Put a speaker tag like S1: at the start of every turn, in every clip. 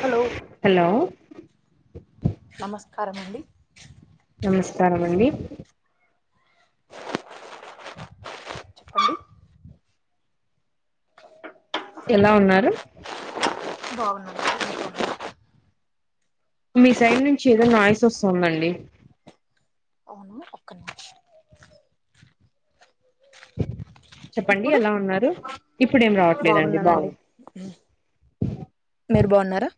S1: Hello
S2: hello
S1: నమస్కారమండి
S2: నమస్కారమండి
S1: చెప్పండి
S2: ఎలా ఉన్నారు
S1: బాగున్నా మీరు బాగున్నారా
S2: మీ సైడ్ నుంచి ఏదో నాయిస్ వస్తుందండి
S1: అవునా ఒక్క నిమిషం
S2: చెప్పండి
S1: ఇప్పుడు
S2: ఎలా ఉన్నారు ఇప్పుడేం రావట్లేదండి
S1: బాగున్నానండి
S2: బాగుంది
S1: మీరు బాన్నారా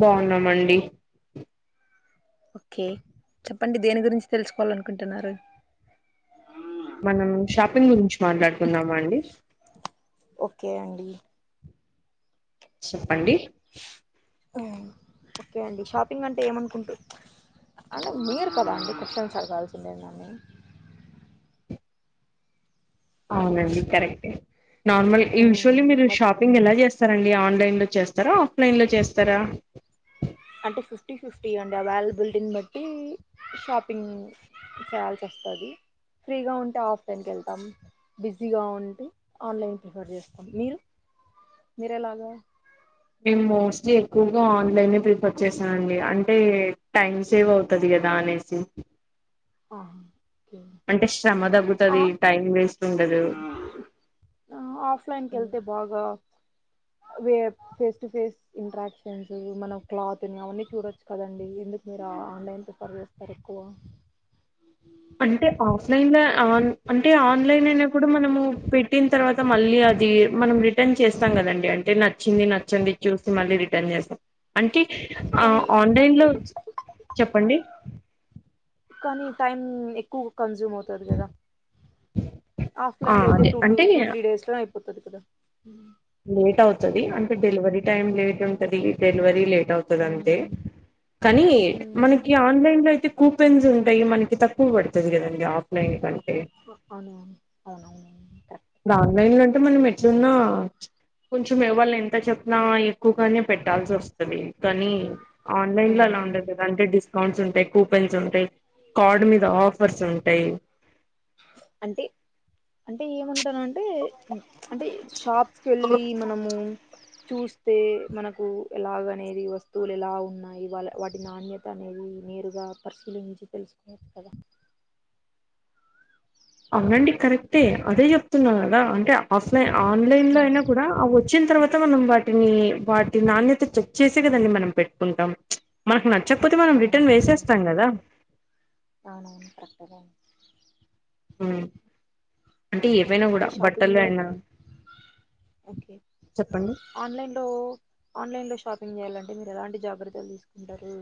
S2: బాన్నామండి
S1: ఓకే చెప్ ప్పండి దేని గురించి తెలుసుకోవాలనుకుంటున్నారు
S2: మనం షాపింగ్ గురించి మాట్లాడుకుందామా అండి
S1: కే అండి
S2: చెప్పండి
S1: ఓకే అండి షాపింగ్ అంటే ఏమనుకుంటూ అంటే మీరు కదా అండి క్వషన్స్ అడగాల్సింది నన్ను
S2: అవునండి కరెక్టే నార్మల్ యూజువల్లీ మీరు షాపింగ్
S1: మర్చిపోయాను
S2: ఎలా చేస్తారండ్ ఆన్లైన్ లో చేస్తారా ఆఫ్లైన్ లో చేస్తారా
S1: అంటే ఫిఫ్టీ ఫిఫ్టీ అండి అవైలబిలిటీని బట్టి షాపింగ్ చేయాల్సి వస్తది. ఫ్రీగా ఉంటే ఆఫ్లైన్ కి వెళ్తాం బిజీగా ఉంటే ఆన్లైన్ ప్రిఫర్ చేస్తాం మీరు మీరెలాగా
S2: మేము మోస్ట్లీ ఎక్కువగా ఆన్లైనే ప్రిఫర్ చేస్తానండి అంటే టైమ్ సేవ్ అవుతది కదా అనేసి
S1: ఆహా ఓకే
S2: అంటే శ్రమ
S1: ఆ
S2: తగ్గుతది టైం వేస్ట్ ఉండదు
S1: ఆఫ్లైన్ కెళ్తే బాగా ఫేస్ టూ ఫేస్ ఇంటరాక్షన్స్ మనం క్లాత్ నీ అవన్నీ చూడచ్చు కదండి. ఎందుకు మీరు ఆన్లైన్ ప్రిఫర్ చేస్తారు ఎక్కువ
S2: అంటే ఆఫ్లైన్లో ఆన్ అంటే ఆన్లైన్ల్ అయినప్పుడు మనము పెట్టిన తర్వాత మళ్ళీ అది మనం రిటర్న్ చేస్తాం కదండి అంటే నచ్చింది నచ్చంది చూసి మళ్ళీ రిటర్న్ చేస్తాం అంటే
S1: కానీ
S2: ఆన్లైన్లో చెప్పండి
S1: కానీ టైం ఎక్కువ కన్స్యూమ్ అవుతది కదా
S2: ఆ
S1: ఆఫ్లైన్లో అయితే
S2: అదే
S1: టూ టూ
S2: అంటే
S1: టూ త్రీ డేస్లో కొత్తది కదా
S2: లేట్ అవుతుది అంటే డెలివరీ టైమ్ లేట్ ఉంటది డెలివరి లేట్ టవుతదంతే
S1: ఉమ్
S2: కానీ
S1: ఉమ్
S2: మనకి ఆన్లైన్లో అయితే కూపెన్స్ ఉంటాయి మనకి తక్కువ పడతది కదండి ఆఫ్లైన్ కంట్
S1: అవునవును అవునవును కరెక్ట్
S2: ఆన్లైన్లో టె మనం ఎట్లున్నా కొంచెం వాళ్ళు ఎంత చెప్పినా ఎక్కువగానే పెట్టాల్సొస్తది కానీ ఆన్లైన్ లో అలా
S1: మ్మ్.
S2: ఉండదు కదా అంటే డిస్ కౌంట్స్ ఉంటాయి కూపెన్స్ ఉంటాయి కార్డ్ మీద ఆఫర్స్ ఉంటాయి
S1: అంటే అంటే ఏమన్ టానంటే అంటే షాప్స్కి వెళ్ళి మనము చూస్తే మనకు ఎలాగనేది వస్తువులు ఎలా ఉన్నాయి వాళ వాటి నాణ్యత అనేది నేరుగా పరిశీలించి తెలుసుకోవచ్చు కదా
S2: అవునండి కరెక్టే అదే చెప్తున్నా కదా అంటే ఆఫ్లైన్
S1: ఉమ్,
S2: ఆన్లైన్ లో
S1: ఉమ్,
S2: అయినా కూడా అ వచ్చిన తర్వాత మనం వాటిని వాటి నాణ్యత చెక్ చేసే కదండీ మనం పెట్టుకుంటాం మనకు న చ్చకపోతే మనం రిటర్న్
S1: అవునవును
S2: వేసేస్తాం కదా
S1: అవునవును కరెక్టే గా
S2: ఉమ్, అంటే ఏవైనా
S1: అంటే
S2: కూడా
S1: షాపింగ్
S2: బట్టలు
S1: లో
S2: అయినా
S1: ఓకే
S2: చెప్పండి
S1: ఆన్లైన్ లో ఆన్లైన్ లో షాపింగ్ చేయాలండి అంటే మీరు ఎలాంటి జాగ్రత్తలు తీసుకుంటారు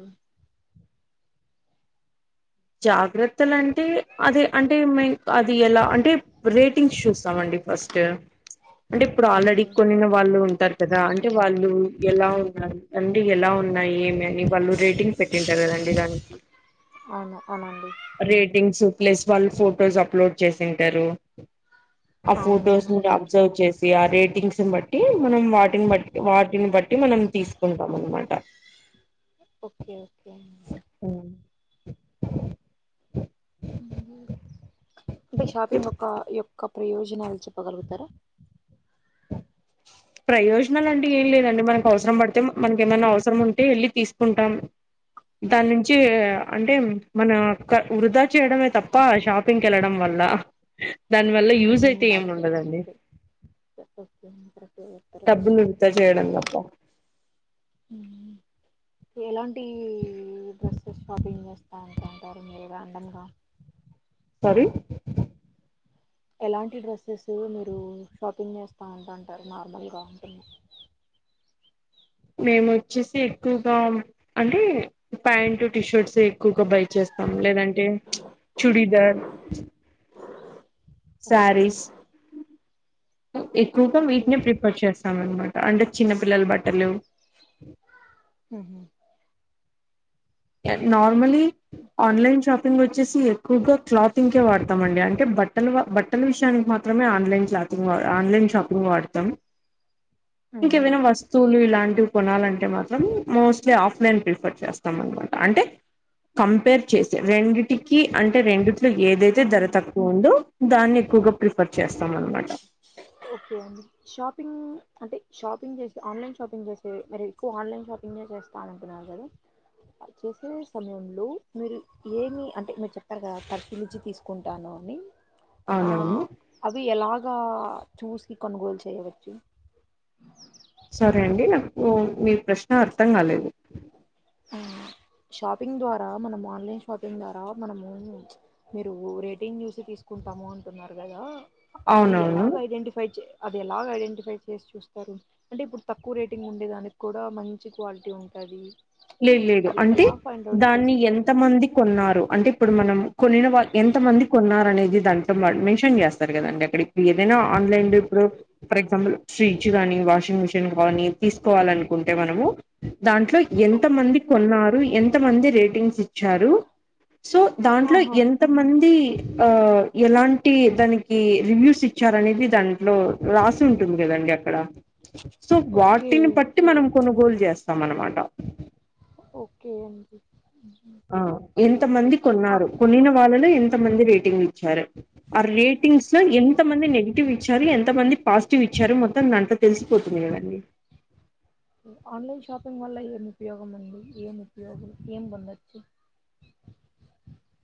S2: జాగ్రత్తలు అంటే అదే అంటే మెన్ అది ఎలా అంటే రేటింగ్స్ చూస్తాంండి ఫస్ట్ అంటే ఇప్పుడు
S1: ఓకే
S2: ఆల్రెడీ కొన్నిన వాళ్ళు ఉ చెస్తారు కదా అంటే వాళ్ళు ఎలా ఉన్నారు అండి ఎలా ఉన్నాయి ఏమి అని వాళ్ళు రేటింగ్ పెట్టింటారు కదండి దానికి
S1: అవును అనడి
S2: రేటింగ్స్ ప్లస్ వాళ్ళు ఫొటోస్ అప్లోడ్ చేసింటారు ఆ ఫోటోస్ నురు
S1: అవునవునండి
S2: అబ్జర్వ్ చేసి ఆ రేటింగ్స్ బట్టి మనం వాటిని బట్టి వాటి వటిని బట్టి మనం తీసుకుంటాం అనమాట
S1: ఓకే ఓకే
S2: ఉ
S1: ఉమ్ అంటే షాపింగ్ యొక్క యొక్క ఒక ప్రయోజనాలు చెప్పగలుగుతారా
S2: ప్రయోజనాలు అంటే ఏమీ లేదండి మనకు అవసరం పడితే మనకు ఏమైనా అవసరం ఉంటే వెళ్ళి తీసుకుంటాం దానించి అంటే
S1: ఓకే
S2: మన వృధా చేయడమే తప్ప షాప్ పింగ్ కి వెళ్ళడం వల్ల దాని వల్ల
S1: మ్మ్
S2: యూజ్
S1: హ్మ్
S2: అయితే ఏమి
S1: అది కూడా
S2: ఉండదండి
S1: కరెక్టే చెప్పారు
S2: డబ్బులు వృధా చేయడం తప్ప
S1: ఉమ్. ఎలాంటి డ్రెస్సెస్ షాపింగ్ చేస్తారు అంటారు మీరుగా అందంగా
S2: సారీ
S1: ఎలాంటి డ్రెస్సెస్ మీరు షాపింగ్ చేస్తా ఉంటా అంటారు నార్మల్గా అంటున్నా
S2: మేము వచ్చేసి ఎక్కువగా అంటే ప్యాంటు టీషర్ట్స్ ఎక్కువగా బై చేస్తాం లేదంటే చుప్ చుడిదార్
S1: ఓకే
S2: ఎక్కువగా
S1: ఓకే
S2: మీట్ నే ప్రిపేర్ చేస్త రామన్నమాట అంటే చిన్నపిల్లలు బట్టలు
S1: మ్మ్ హ్మ్
S2: నార్మలీ ఆన్లైన్ షాప్ మేము వచ్చేసి ఎక్కువగా క్లాతింగ్ వాడతాం అండి అంటే బట్టల బట్టల విషయానికి మాత్రమే ఆన్లైన్ క్లాతింగ్ ఆన్లైన్ షాపింగ్ వాడతాం ఇక
S1: ఉహు
S2: ఎవైనా వస్తువులు ఇలాంటి వంటివి కొనాలంటే మాత్రం మోస్ట్లీ ఆఫ్లైన్ ప్రిఫర్ చేస్తాం అన్నమాట. అంటే కంపేర్ చేసి రెండిటికి అంటే రెండు డు ఏదైతే
S1: ఆ
S2: ధర తక్కువ ఉందో దాన్ని ఎక్కువగా ప్రిఫర్ చేస్తాం అనమాట
S1: ఓకే అండి షాపింగ్ అంటే షాపింగ్ చేస్తే ఆన్లైన్ షాపింగ్ చేస్తే మరి ఎక్కువ ఆన్లైన్ షాపింగ్ చేస్తా అంటున్నారు. కదా చేసే సమయంలో మీరు ఏమి అంటే మీరు చెప్పారు కదా పరిశీలిచ్చి తీసుకుంటాను. అని ఆ
S2: అవునవును
S1: అవి ఎలాగా చూసి కొనుగోలు చేయవచ్చు.
S2: సరే అండి నాకు మీ ప్రశ్న ఆహ్ అర్థం కాలేదు.
S1: షాపింగ్ ద్వారా మనం ఆన్లైన్ షాపింగ్ ద్వారా మనము మీరు రేటింగ్ చూసి తీసుకుంటాము అంటున్నారు. కదా అది
S2: అవునవును
S1: ఎలాగా ఐడెంటిఫై చే అది ఎలాగా ఐడెంటిఫై చేసి చూస్తారు. అంటే ఇప్పుడు తక్కువ రేటింగ్ ఉండే దానికి కూడా మని మంచి క్వాలిటీ ఉంటది.
S2: లేదు లేదు
S1: అది
S2: అంటే
S1: ఎలా ఫైండ్ అవుట్
S2: దాన్ని ఎంత
S1: చేస్తారు
S2: మంది కొన్నారు. అంటే ఇప్పుడు మనం కొనీనా వాళ్ళు ఎంత మంది కొన్నారు. అనేది దాంట్లో వారు మెన్షన్ చేస్తారు కదండి. అక్కడప్పుడు ఏదైనా ఆన్లైన్ ఇప్పుడు ఫర్ ఎగ్జాంపుల్ ఫ్రిడ్జ్ కానీ, వాషింగ్ మిషిన్, కాని తీసుకోవాలనుకుంటే మనము దాంట్లో ఎంత
S1: ఓకే
S2: మంది కొన్నారు ఎంత మంది. రేటింగ్స్ ఇచ్చారు. సో దాంట్లో
S1: ఆహా
S2: ఎంత మంది ఆ ఎలాంటి దానికి రివ్యూస్ ఇచ్చార అనేది. దాంట్లో రాసి ఉంటుంది కదండి అక్కడ. సో
S1: ఓకే
S2: వాటిని బట్టి
S1: ఓకే
S2: మనం కొనుగోలు చేస్తాం. చేస్తామన్నమాట.
S1: ఓకే అండి
S2: ఆ ఎంత
S1: ఓకే
S2: మంది కొన్నారు. కొన్నిన వాళ్ళలో ఎంత మంది రేటింగ్ చారు ఆ రేటింగ్స్ లో
S1: ఓకే
S2: ఎంత మంది నెగిటివ్ చదివి ఎంత మంది పాజిటివ్ ఇచ్చారు. మనం మొత్తం అంతా తెలిసిపోతుంది. కదండి
S1: ఆన్లైన్ వల్ల ఏం ఉపయోగం ఉంది. ఏం ఉపయోగం ఏం పొందొచ్చు.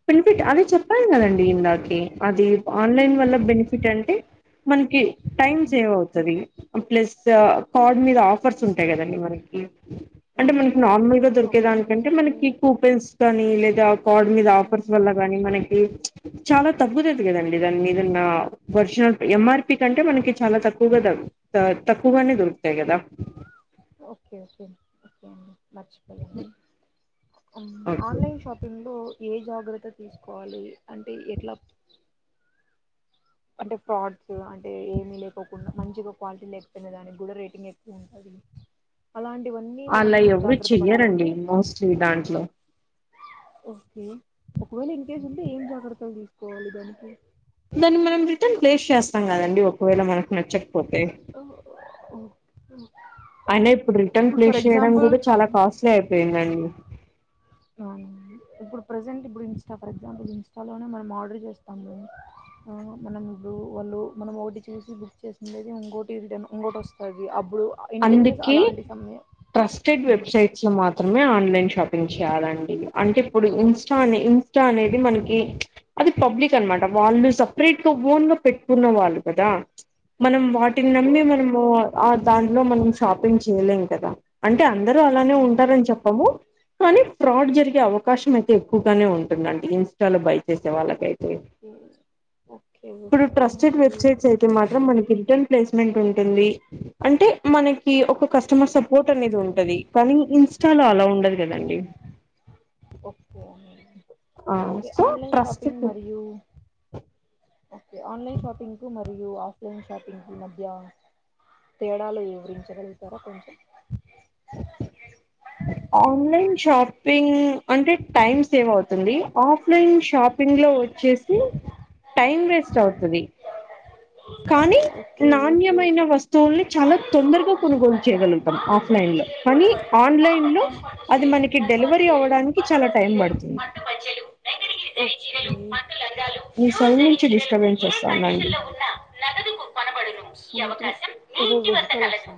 S2: బెన్ఫిట్ అదే చెప్పన్ కదండి ఇందాకే అది ఆన్లైన్ వల్ల బెనిఫిట్ అంటే మనకి టైం సేవ్ అవుతది. ప్లస్ కడ్ మీద ఆఫ్ ఆఫర్స్ ఉంటాయి కదా అండి. మనకి అంటే
S1: ఆహా
S2: మనకి నార్మల్ గా
S1: ఓకే
S2: దొరికేదానీకంటే.
S1: ఓకే
S2: మనకి కూపెన్స్ గానీ లేదా కడ్ మీద
S1: ఓకే
S2: వచ్చినోళ్లక్ గానీ మనకి చాలా తగ్గుతుది కదండి దాని మీదన్న ఒరిజినల్ ఎమ్మార్పీ కంటే మనకి చాలా తక్కువగా తక్కువగానే దొరుకుతాయి కదా.
S1: ఓకే ఓకే ఓకే అండి మర్చిపోయాను
S2: ఓకే
S1: ఆన్లైన్ షాపింగ్లో ఏ జాగ్రత్త తీసుకోవాలి అంటే ఎట్లా అంటే ఫ్రాడ్స్ అంటే ఏమీ లేకోకుండా మంచిగా క్వాలిటీ లేకపోయినా దానికి కూడా రేటింగ్ ఎక్కువ ఉంటది.
S2: అలా ఎవరు చెయ్యరండి మోస్ట్లీ దాంట్లో
S1: ఓకే ఒకవేళ ఇంకేస్ ఉంటే ఏం జాగ్రత్తలు తీసుకోవాలి దానికి
S2: దాన్ని మనం రిటర్న్ ప్లేస్ చేస్తాం కదండీ ఒకవేళ మనకు నచ్చక్ పోతే
S1: ఉ
S2: అయిన ఇప్పుడు రిటర్న్ ప్లేస్ చేయడం
S1: ఎగ్జాంపుల్
S2: కూడా చాలా కాస్ట్లీ అయిపోయిందండి
S1: అవునా ఇప్పుడు ప్రజెంట్ ఇప్పుడు ఇంస్టా ఫర్ ఎగ్జాంపుల్ ఇంస్టాలోనే మనం ఆర్డర్ చేస్తామ్ గదా. ఆ మనం ఇప్పుడు వళ్ళు మనం ఒకటి చూసి బుక్ చేసిండేది ఇంకోటి రిటర్న్ ఇంకోటి వస్తది అబ్,
S2: అందుకీ ట్రస్టెడ్ వెబ్సైట్స్ లో మాత్ మాత్రమే ఆన్లన్ షాపింగ్ చేయాలండి అంటే ఇప్పుడు ఇంస్టా అని ఇంస్టా అనేది మనకి అది పబ్లిక్ అనమాట వాళ్ళు సపరేట్ గా ఓన్గా పెట్టుకున్న వాళ్ళు కదా. మనం వాటిని నమ్మి మనము ఆ, దాంట్లో మనం షాపింగ్ చేయలేం కదా అంటే అందరు అలానే
S1: అవునండి
S2: ఉంటారని చెప్పము కానీ ఫ్రాడ్ జరిగే అవకాశం అయితే ఎక్కువగానే ఉంటుందండి ఇంస్టాలో బై చేసే వాళ్ళకైతే
S1: ఓకే ఓకే
S2: ఇప్పుడు
S1: ఓకే
S2: ట్రస్టెడ్
S1: అండి
S2: వెబసైట్స్ అయితే మాత్రం మన్కి రిటర్న్ ప్లేస్ పేమెంట్ ఉంటుంది అంటే మనక్ కి ఒక కస్టమర్ సపోర్ట్ అనేది ఉంటది కానీ ఇన్స్ చాలొ అలా ఉండదు కదండి
S1: ఓకే అండి
S2: ఆ
S1: okay
S2: so
S1: online
S2: trust
S1: shopping
S2: పిప్
S1: మరియు ఓకే ఆన్లైన్ షాపింకు మరియు ఆఫ్ లైన్ షాపింగ్కి మధ్య తేడాలు వివరించగలుగుతారా కొంచెం.
S2: ఆన్లైన్ షాపింగ్ అంటే టైమ్ సేవ్ అవుతుంది ఆఫ్లైన్ షాపింగ్ లో వచ్చేసి టైమ్ వేస్ట్ అవుతది. కానీ
S1: ఓకే
S2: నాణ్యమైన వస్తువుల్ని చాలా తొందరగా కొనుగోలు చేయగలుగుతాం ఆఫ్లైన్ లో కానీ ఆన్లైన్ లో అది మనకి డెలివరీ అవడానికి చాలా టైం పడుతుంది.
S1: థె చీరెలు పట్టు లంగా
S2: మీ సైడ్ నుంచి డిస్టర్బెన్స్ వస్తాదండి
S1: అమ్మబడును ఈ అవకాశం మీ ఇంటివద్దకలదు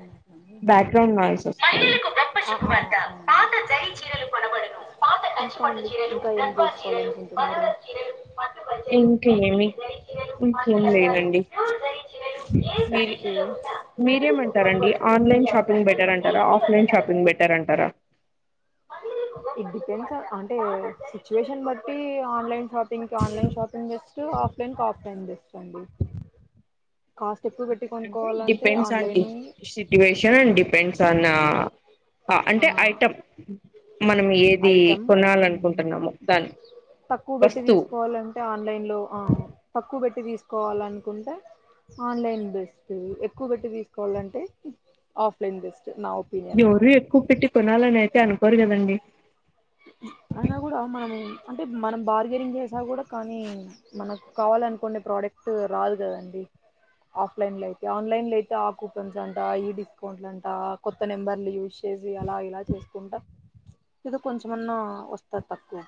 S2: బ్యాక్గ్రౌండ్ నాయిస్ వస్తాంది
S1: మహిలలకు గొప్ప శుభవార్త పాత జరీ చీరలు కొనబడును పాత కంచి పట్టు చీరలు గాధ్వాల్ చీరలు బనారస్ చీరలు పట్టు పంచలు
S2: ఇంక
S1: నకిలీ
S2: ఏమి
S1: జరీ చీరలు పట్టు
S2: ఇంకేమి
S1: లంగాలు
S2: లేవండి
S1: ప్యూర్ జరీ చీరలు ఏ
S2: మీరి
S1: కండిషన్లో ఉన్నా నగదుకు
S2: మీరేమంటారండి
S1: కొనబడును ఈ
S2: ఆన్లైన్ షాపింగ్
S1: అవకాశం
S2: బెటర్ అంట
S1: మీ
S2: టరా
S1: ఇంటి వద్ద
S2: ఆఫ్లైన్
S1: కలదు
S2: షాపింగ్ బెటర్ అంటారా
S1: ఇట్ డిపెండ్స్ అంటే సిచువేషన్ బట్టి ఆన్లైన్ షాపింగ్ క ఆన్లైన్ షాపింగ్ బెస్ట్ ఆఫ్లైన్ కి ఆఫ్లైన్ బెస్ట్ అండి cos
S2: depends on the situation and depends on మనం ఏది
S1: ఐటమ్
S2: కొనాలనుకుంటున్నామో దాని
S1: తక్కువ పెట్టి
S2: వస్తువు
S1: తీసుకోవాలంటే ఆన్లైన్ లో ఆ తక్కువ పెట్టి తీసుకో కోవాలనుకుంటే ఆన్లైన్ బెస్టి ఎక్కువ పెట్టి తీసుకోవాలంటే ఆఫ్లైన్ బెస్ నా ఒపీనియన్ అయితే
S2: కొనల నేను తే అనుకోరు కదండీ
S1: అన్న కూడా అవమానం అంటే మనం బార్గెనింగ్ చేసా కూడా కానీ మనకు కావాలనుకునే ప్రోడక్ట్ రాదు కదండి ఆఫ్లైన్ లో అయితే ఆన్లైన్ లో అయితే ఆ కూపన్స్ అంట ఈ డిస్కౌంట్ అంట కొత్త నెంబర్లు యూస్ చేసి అలా ఇలా చేసుకుంటా కొంచెమన్నా వస్తది తక్కువ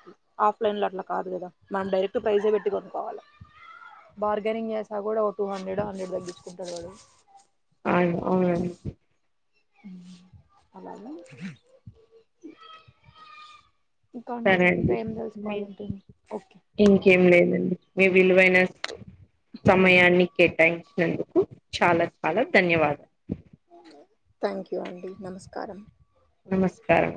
S1: ఆఫ్లైన్లో అట్లా కాదు కదా మనం డైరెక్ట్ ప్రైసే పెట్టి కొనుక్కోవాల బార్గెనింగ్ చేసా కూడా టూ హండ్రెడ్ హండ్రెడ్ తగ్గించుకుంటాడు కదా
S2: హాయ్ అవునండి
S1: అలాగా ఇంకా
S2: సరే
S1: ఇంకా
S2: అండి
S1: ఏం
S2: మీ
S1: తెలుసుకోవాలంటే ఓకే
S2: ఇంకేం లేదండి మీ విలువైన సమయాన్ని కేటాయించినందుకు చాలా చాలా ధన్యవాదం
S1: థ్యాంక్ యు అండి నమస్కారం
S2: నమస్కారం